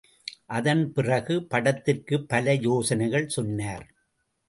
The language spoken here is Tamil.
அதன் பிறகு படத்திற்குப் பல யோசனைகள் சொன்னார்.